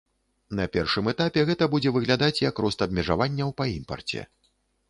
На першым этапе гэта будзе выглядаць як рост абмежаванняў па імпарце.